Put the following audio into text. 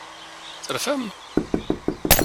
Terfam?